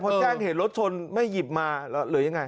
พอแจ้งเหตุรถชนไม่หยิบมาหรือยังไง